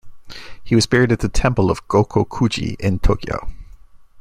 He was buried at the temple of Gokoku-ji in Tokyo.